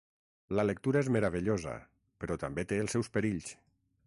La lectura és meravellosa, però també té els seus perills!